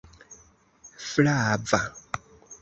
flava